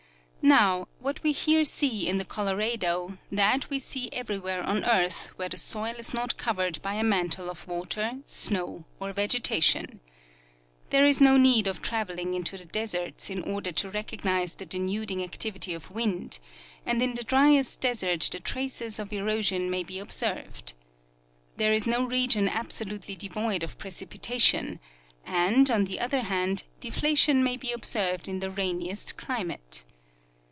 Now, what we here see in the Colorado, that we see every where on earth where the soil is not covered by a mantle of water, snow or vegetation. There is no need of traveling into the deserts in order to recognize the denuding activity of wind ; and in the driest desert the traces of erosion may be observed. There is no region absolutely devoid of precipitation, and, on the other hand, deflation may be observed in the rainiest climate.